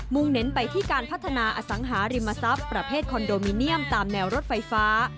งเน้นไปที่การพัฒนาอสังหาริมทรัพย์ประเภทคอนโดมิเนียมตามแนวรถไฟฟ้า